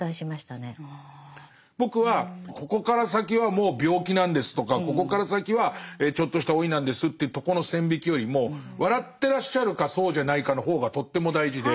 僕はここから先はもう病気なんですとかここから先はちょっとした老いなんですっていうとこの線引きよりも笑ってらっしゃるかそうじゃないかの方がとっても大事で。